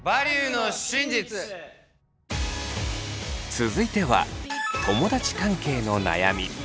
続いては友だち関係の悩み。